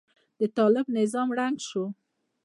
د طالب نظام ړنګ شو.